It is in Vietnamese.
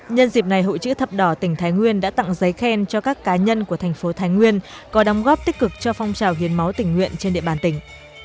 nhân dịp này hội chữ thập đỏ tỉnh thái nguyên đã tặng giấy khen cho các cá nhân của thành phố thái nguyên có đóng góp tích cực cho phong trào hiến máu tỉnh nguyện trên địa bàn tỉnh